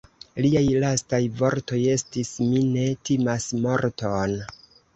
Liaj lastaj vortoj estis: "mi ne timas morton.